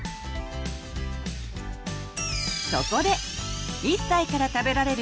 そこで「１歳から食べられる！